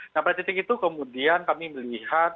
nah pada titik itu kemudian kami melihat